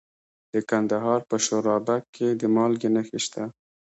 د کندهار په شورابک کې د مالګې نښې شته.